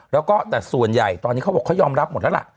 แล้วก็แต่ส่วนใหญ่ตอนนี้เขาบอกเขายอมรับหมดแล้วล่ะ